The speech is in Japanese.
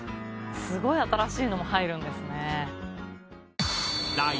すごい新しいのも入るんですね。